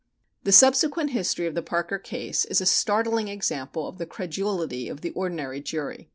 ] The subsequent history of the Parker case is a startling example of the credulity of the ordinary jury.